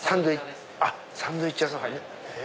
サンドイッチ屋です。